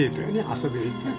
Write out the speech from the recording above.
遊びに行った。